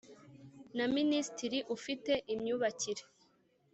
Na Minisitiri Ufite Imyubakire